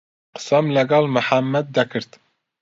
قسەم لەگەڵ کاک محەممەد دەکرد.